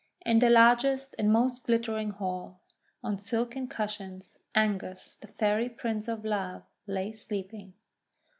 In the largest and most glittering hall, on silken cushions, Angus, the Fairy Prince of Love, lay sleeping.